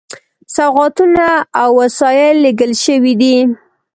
سوغاتونه او وسایل لېږل شوي دي.